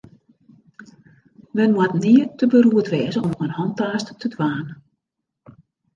Men moat nea te beroerd wêze om in hantaast te dwaan.